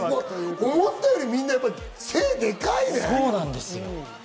思ったよりみんな背がでかいね。